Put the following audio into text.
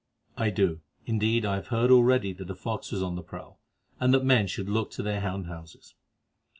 "I do; indeed I have heard already that a fox was on the prowl, and that men should look to their hen houses.